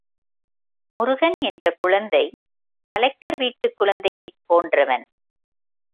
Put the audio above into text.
முருகன் என்ற குழந்தை கலெக்டர் வீட்டுக் குழந்தையைப் போன்றவன்.